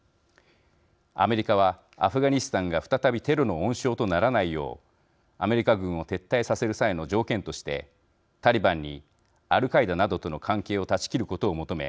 アメリカはアフガニスタンが再びテロの温床とならないようアメリカ軍を撤退させる際の条件としてタリバンにアルカイダなどとの関係を断ち切ることを求め